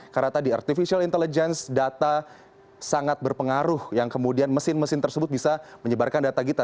karena tadi artificial intelligence data sangat berpengaruh yang kemudian mesin mesin tersebut bisa menyebarkan data kita